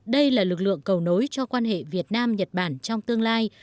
đây là lực lượng cầu nối cho quan hệ việt nam nhật bản trong tương lai